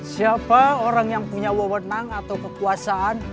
siapa orang yang punya wewenang atau kekuasaan